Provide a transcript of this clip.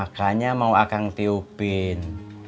akang mau aku tiupin